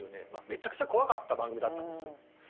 めちゃくちゃ怖かった番組だったんですよ。